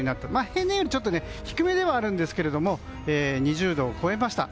平年より低めではあるんですが２０度を超えました。